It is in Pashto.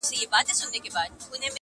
شپږي څرنگه له سر څخه ټولېږي.!